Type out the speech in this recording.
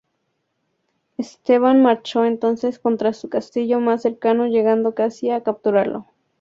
Esteban marchó entonces contra su castillo más cercano llegando casi a capturarlo.